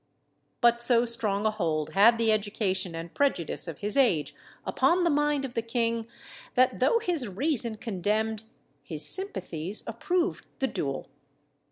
But so strong a hold had the education and prejudice of his age upon the mind of the king, that though his reason condemned, his sympathies approved the duel.